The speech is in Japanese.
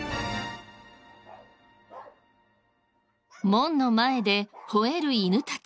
門の前でほえる犬たち。